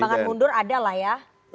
jadi pertimbangan mundur ada lah ya